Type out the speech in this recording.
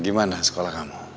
gimana sekolah kamu